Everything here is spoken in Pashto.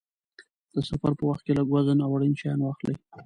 د سفر په وخت کې لږ وزن او اړین شیان واخلئ.